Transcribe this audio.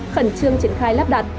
khẩn trương triển khai lắp đặt